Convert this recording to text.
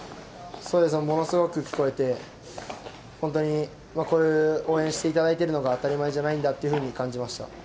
そうですね、ものすごく聞こえて、本当に、こういう応援していただいてるのが当たり前じゃないんだというふうに感じました。